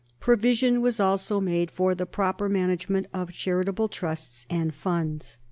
Provision was also made for the proper management of charitable trusts and funds.